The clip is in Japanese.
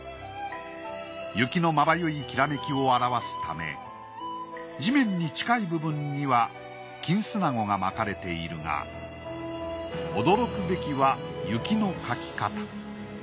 雪のまばゆいきらめきを表すため地面に近い部分には金砂子がまかれているが驚くべきは雪の描き方。